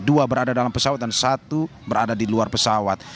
dua berada dalam pesawat dan satu berada di luar pesawat